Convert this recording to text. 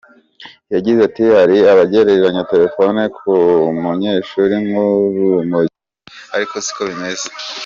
Yagize ati “Hari abagereranya telefone ku munyeshuri nk’urumogi, ariko si ko bimeze.